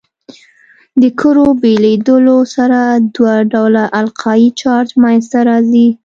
د کرو بېلېدو سره دوه ډوله القایي چارج منځ ته راځي.